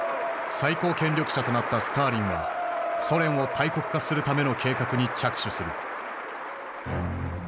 最高権力者となったスターリンはソ連を大国化するための計画に着手する。